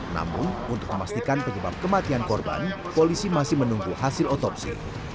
namun untuk memastikan penyebab kematian korban polisi masih menunggu hasil otopsi